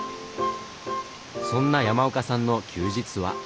そんな山岡さんの休日は？